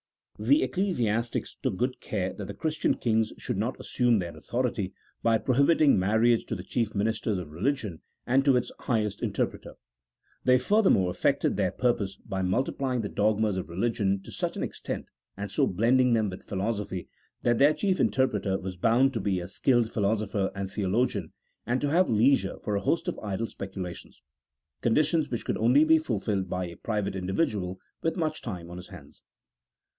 The ecclesiastics took good care that the Christian kings should not assume their authority, by prohibiting marriage to the chief ministers of religion and to its highest interpreter. They furthermore effected their pur pose by multiplying the dogmas of religion to such an extent and so blending them with philosophy that their chief interpreter was bound to be a skilled philosopher and theologian, and to have leisure for a host of idle specula tions : conditions which could only be fulfilled by a private individual with much time on his hands.